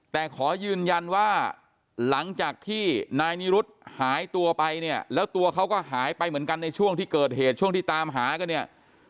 แต่ขอยืนยันว่าหลังจากที่นายนิรุธหายตัวไปเนี่ยแล้วตัวเขาก็หายไปเหมือนกันในช่วงที่เกิดเหตุช่วงที่ตามหากันเนี่ย